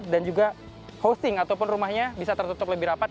dan juga hosting ataupun rumahnya bisa tertutup lebih rapat